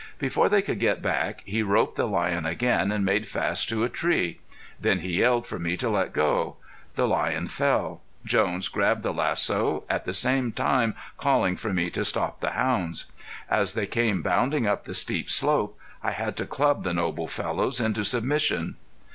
Before they could get back he roped the lion again and made fast to a tree. Then he yelled for me to let go. The lion fell. Jones grabbed the lasso, at the same time calling for me to stop the hounds. As they came bounding up the steep slope, I had to club the noble fellows into submission.